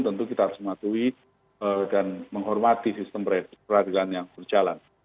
tentu kita harus mematuhi dan menghormati sistem peradilan yang berjalan